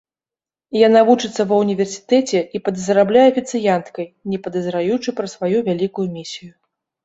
Яна вучыцца ва ўніверсітэце і падзарабляе афіцыянткай, не падазраючы пра сваю вялікую місію.